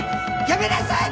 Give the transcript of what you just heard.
やめなさい！